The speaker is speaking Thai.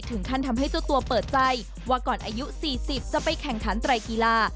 ทำให้เจ้าตัวเปิดใจว่าก่อนอายุ๔๐จะไปแข่งขันไตรกีฬา